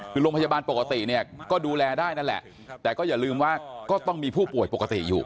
คือโรงพยาบาลปกติเนี่ยก็ดูแลได้นั่นแหละแต่ก็อย่าลืมว่าก็ต้องมีผู้ป่วยปกติอยู่